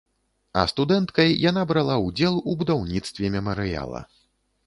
А студэнткай яна брала ўдзел у будаўніцтве мемарыяла.